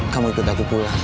kamu ikut aku pulang